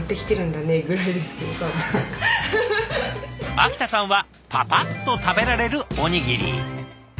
秋田さんはパパッと食べられるおにぎり。